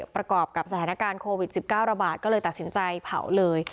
ประกอบกับสถานการณ์โควิด๑๙ระบาดก็เลยตัดสินใจเผาเลย